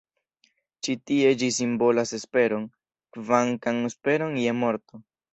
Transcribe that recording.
Ĉi tie ĝi simbolas esperon, kvankam esperon je morto.